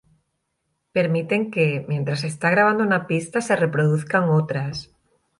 Permiten que, mientras se está grabando una pista, se reproduzcan otras.